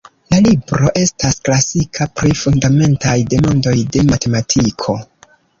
La libro estas klasika pri fundamentaj demandoj de matematiko.